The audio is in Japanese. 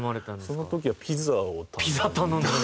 その時はピザを頼んで。